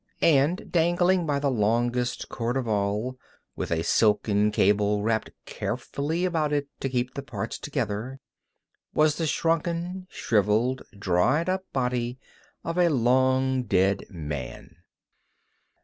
And dangling by the longest cord of all, with a silken cable wrapped carefully about it to keep the parts together, was the shrunken, shriveled, dried up body of a long dead man!